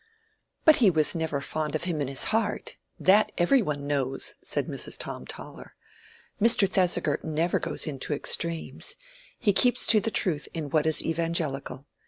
"But he was never fond of him in his heart—that every one knows," said Mrs. Tom Toller. "Mr. Thesiger never goes into extremes. He keeps to the truth in what is evangelical.